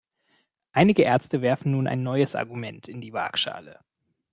Einige Ärzte werfen nun ein neues Argument in die Waagschale.